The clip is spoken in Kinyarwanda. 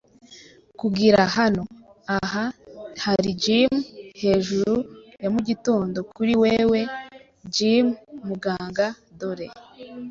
Kugira hano. Ah, hari Jim! Hejuru ya mugitondo kuri wewe, Jim. Muganga, dore